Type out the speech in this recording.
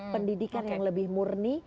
pendidikan yang lebih murni